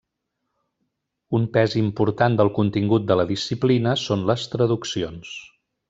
Un pes important del contingut de la disciplina són les traduccions.